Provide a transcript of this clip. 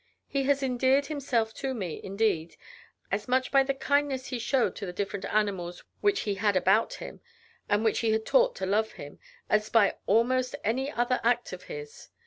He has endeared himself to me, indeed, as much by the kindness he showed to the different animals which he had about him, and which he had taught to love him, as by almost any other act of his.